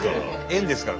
縁ですから。